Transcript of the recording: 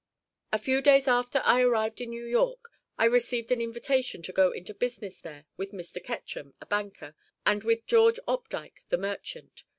A few days after I arrived in New York I received an invitation to go into business there with Mr. Ketchum, a banker, and with George Opdyke, the merchant.